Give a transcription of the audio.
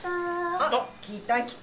おっ来た来た！